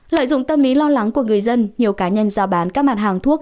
lợi dụng tâm lý lo lắng của người dân nhiều cá nhân giao bán các mặt hàng thuốc